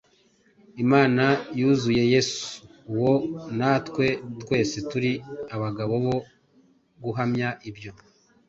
Imana yazuye Yesu uwo, natwe twese turi abagabo bo guhamya ibyo.